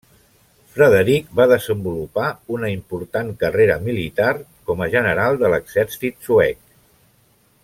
Frederic va desenvolupar una important carrera militar com a general de l'exèrcit suec.